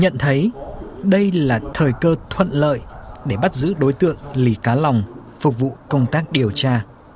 nhận thấy đây là thời cơ thuận lợi để bắt giữ đối tượng lì cá lòng phục vụ công tác điều tra